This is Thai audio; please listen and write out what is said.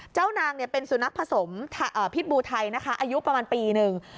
เจ้านางเป็นสุนัขผสมพิษบูไทยนะคะอายุประมาณปีหนึ่ง